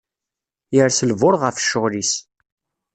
Yers lbuṛ ɣef cceɣl is.